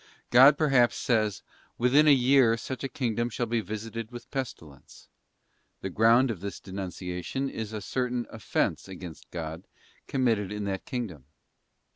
God perhaps says, 'Within a year such a kingdom shall be visited with 'pesti lence.' The ground of this denunciation is a certain offence against God committed in that kingdom.